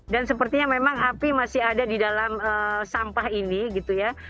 dan sepertinya memang api masih ada di dalam sampah ini gitu ya